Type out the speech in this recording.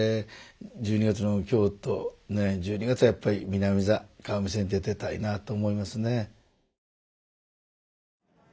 １２月の京都ねえ１２月はやっぱり南座顔見世に出てたいなと思いますね。